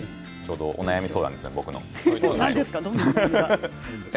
お悩み相談ですね、僕の。